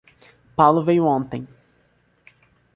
Paulo veio ontem.